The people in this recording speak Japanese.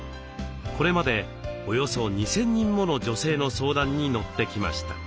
これまでおよそ２，０００人もの女性の相談に乗ってきました。